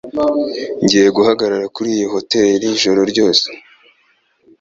Ngiye guhagarara kuriyi hoteri ijoro ryose.